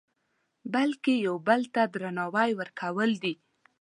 بلکې بل ته درناوی ورکول دي.